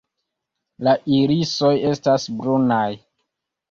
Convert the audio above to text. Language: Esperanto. La irisoj estas brunaj.